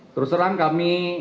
terus terang kami